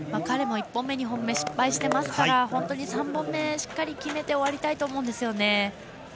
彼も１本目、２本目失敗しているので３本目、しっかり決めて終わりたいと思うんですよね。